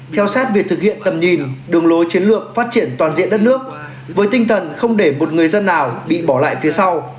theo sát việc thực hiện tầm nhìn đường lối chiến lược phát triển toàn diện đất nước với tinh thần không để một người dân nào bị bỏ lại phía sau